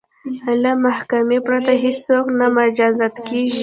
له محاکمې پرته هیڅوک نه مجازات کیږي.